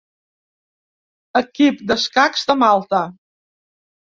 Equip d'escacs de Malta.